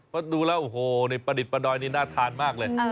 เพราะดูแล้วโอ้โฮผ่าดิดผ่าดอยนี่น่าทานมากเลย